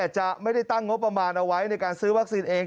จะไม่ได้ตั้งงบประมาณเอาไว้ในการซื้อวัคซีนเอง